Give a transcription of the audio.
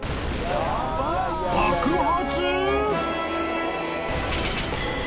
［爆発！？］